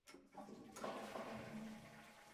ni makabila makuu mawili yenye uhusiano wa karibu sana